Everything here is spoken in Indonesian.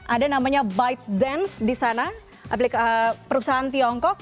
ada namanya bytedance di sana perusahaan tiongkok